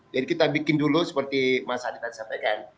jadi kita bikin dulu seperti mas adi tadi sampaikan